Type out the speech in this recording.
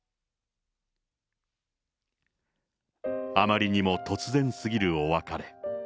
あまりにも突然すぎるお別れ。